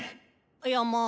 いやまあ